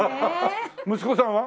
息子さんは？